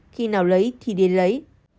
khi nào lấy thì đến lấy